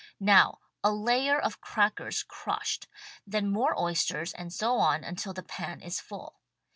Now a layer' of crackers crushed ; then more oysters and so on until the pan is full.